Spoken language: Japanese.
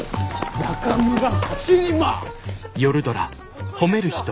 中村走ります！